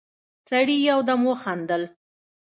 سړي يودم وخندل: